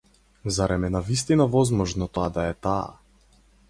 Зарем е навистина возможно тоа да е таа?